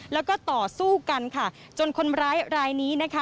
แล้วก็ต่อสู้กันจนคนร้ายรายนี้